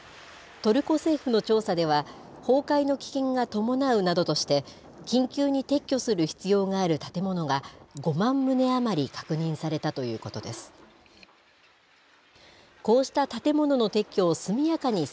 トルコ政府の調査では、崩壊の危険が伴うなどとして、緊急に撤去する必要がある建物が５万棟余り確認されたということです。